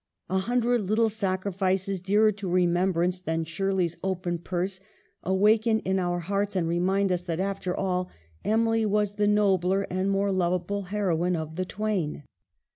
A hundred little sacrifices, dearer to remembrance than Shirley's open purse, awaken in our hearts and remind us that, after all, Emily was the nobler and more lovable heroine of the twain.